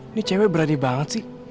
ini cewek berani banget sih